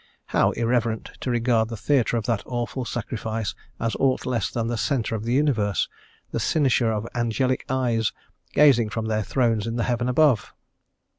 How irreverent to regard the theatre of that awful sacrifice as aught less than the centre of the universe, the cynosure of angelic eyes, gazing from their thrones in the heaven above!